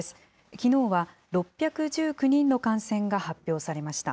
きのうは６１９人の感染が発表されました。